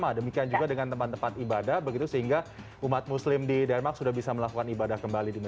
nah demikian juga dengan tempat tempat ibadah begitu sehingga umat muslim di denmark sudah bisa melakukan ibadah kembali